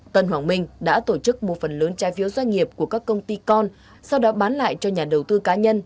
tân hoàng minh đã tổ chức một phần lớn trái phiếu doanh nghiệp của các công ty con sau đó bán lại cho nhà đầu tư cá nhân